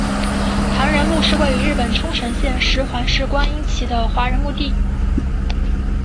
唐人墓是位于日本冲绳县石垣市观音崎的华人墓地。